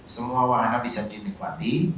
semua wahana bisa dinikmati